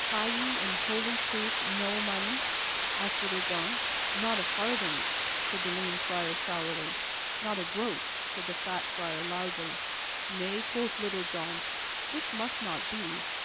"Ha' ye, in holy truth, no money?" asked Little John. "Not a farthing," said the lean Friar sourly. "Not a groat," said the fat Friar loudly. "Nay," quoth Little John, "this must not be.